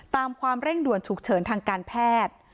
ความเร่งด่วนฉุกเฉินทางการแพทย์